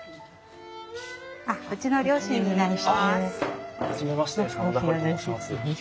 うちの両親になります。